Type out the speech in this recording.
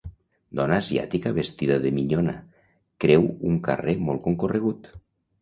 Dona asiàtica vestida de minyona creu un carrer molt concorregut.